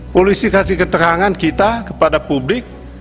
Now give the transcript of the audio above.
polisi kasih keterangan kita kepada publik